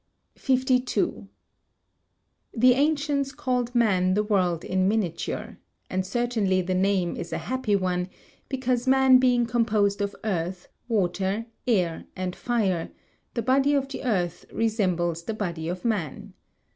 52. The ancients called man the world in miniature, and certainly the name is a happy one, because man being composed of earth, water, air and fire, the body of the earth resembles the body of man.